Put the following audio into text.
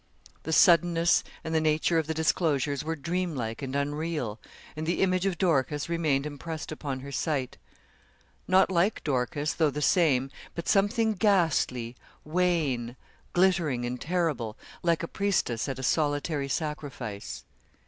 The suddenness and the nature of the disclosures were dream like and unreal, and the image of Dorcas remained impressed upon her sight; not like Dorcas, though the same, but something ghastly, wan, glittering, and terrible, like a priestess at a solitary sacrifice.